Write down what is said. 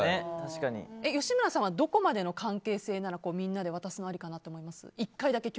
吉村さんはどこまでの関係性ならみんなで渡すのありかなと思います？